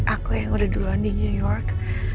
aku yang udah duluan di new york